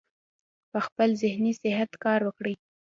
پۀ خپل ذهني صحت کار وکړي -